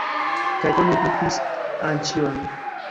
Kaj oni vipis Anĉjon.